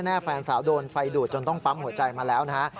แฟนสาวโดนไฟดูดจนต้องปั๊มหัวใจมาแล้วนะฮะ